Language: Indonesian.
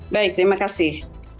baik terima kasih